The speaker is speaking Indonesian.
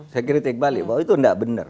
saya kritik balik bahwa itu tidak benar